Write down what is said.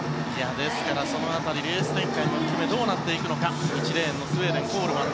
ですから、その辺りレース展開も含めどうなっていくのか１レーンのスウェーデンコールマン。